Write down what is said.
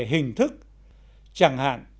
hình thức chẳng hạn